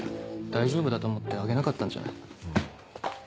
大丈夫だと思ってあげなかったんじゃない？